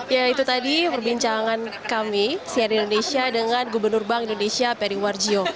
ya itu tadi perbincangan kami sian indonesia dengan gubernur bank indonesia peri warjio